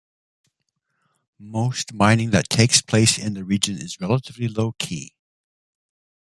Most mining that takes place in the region is relatively low key.